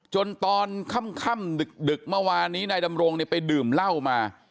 ตอนค่ำดึกเมื่อวานนี้นายดำรงไปดื่มเหล้ามา